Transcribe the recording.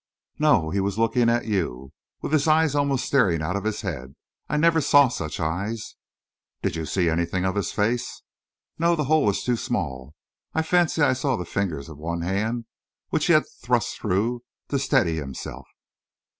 "No, he was looking at you, with his eyes almost starting out of his head. I never saw such eyes!" "Did you see anything of his face?" "No, the hole is too small. I fancy I saw the fingers of one hand, which he had thrust through to steady himself."